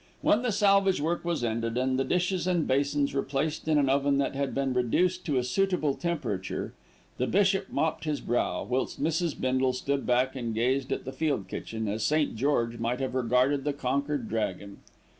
When the salvage work was ended, and the dishes and basins replaced in an oven that had been reduced to a suitable temperature, the bishop mopped his brow, whilst Mrs. Bindle stood back and gazed at the field kitchen as St. George might have regarded the conquered dragon.